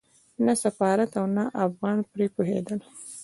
نه سفارت او نه افغانان پرې پوهېدل.